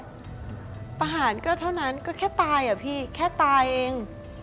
อาหารเท่านั้นก็คือแค่ตายแค่ตายเอง